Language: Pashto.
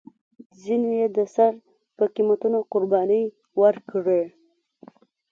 ځینو یې د سر په قیمتونو قربانۍ ورکړې.